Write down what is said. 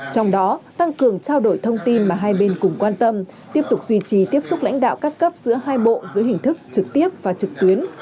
trong đó tăng cường trao đổi thông tin mà hai bên cùng quan tâm tiếp tục duy trì tiếp xúc lãnh đạo các cấp giữa hai bộ giữa hình thức trực tiếp và trực tuyến